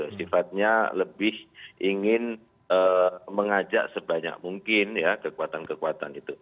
sifatnya lebih ingin mengajak sebanyak mungkin kekuatan kekuatan